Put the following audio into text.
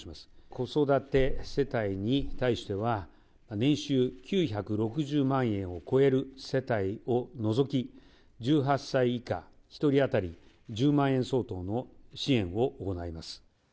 子育て世帯に対しては、年収９６０万円を超える世帯を除き、１８歳以下１人当たり１０万円相当の支援を行います。